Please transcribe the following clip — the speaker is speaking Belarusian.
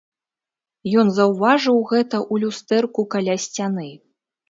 Ён заўважыў гэта ў люстэрку каля сцяны.